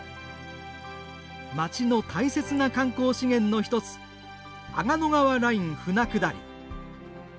町の大切な観光資源の１つ阿賀野川ライン舟下り。